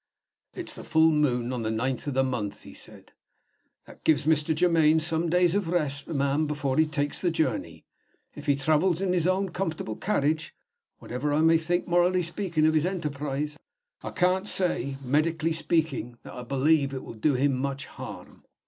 "It's the full moon on the ninth of the month," he said. "That gives Mr. Germaine some days of rest, ma'am, before he takes the journey. If he travels in his own comfortable carriage whatever I may think, morally speaking, of his enterprise I can't say, medically speaking, that I believe it will do him much harm."